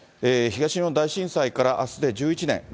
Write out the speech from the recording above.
東日本大震災からあすで１１年。